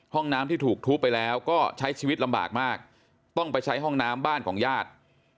ห้องน้ำที่ถูกทุบไปแล้วก็ใช้ชีวิตลำบากมากต้องไปใช้ห้องน้ำบ้านของญาติ